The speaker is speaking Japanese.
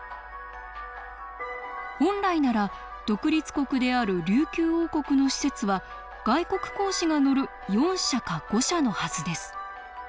本来なら独立国である琉球王国の使節は外国公使が乗る四車か五車のはずです。